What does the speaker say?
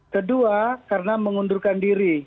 kedua karena mengundurkan diri